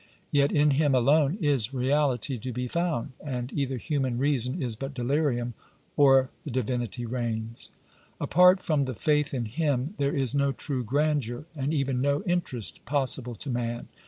Yet in Him alone is reality to be found, ^ and either human reason is but delirium or the Divinity reigns. ^ Apart from the faith in Him there is no true grandeur and even no interest possible to man.